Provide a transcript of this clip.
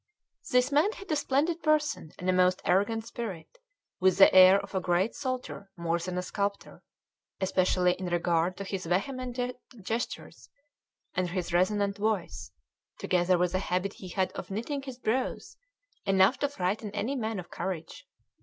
This man had a splendid person and a most arrogant spirit, with the air of a great soldier more than a sculptor, especially in regard to his vehement gestures and his resonant voice, together with a habit he had of knitting his brows, enough to frighten any man of courage.